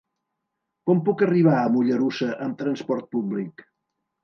Com puc arribar a Mollerussa amb trasport públic?